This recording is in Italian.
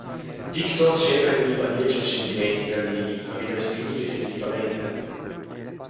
Victor cerca di ribadire i suoi sentimenti per Lily, ma viene respinto definitivamente.